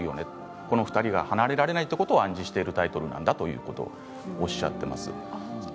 この２人が離れられないということを暗示しているんだとおっしゃっています。